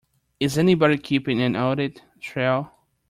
Is anybody keeping an audit trail?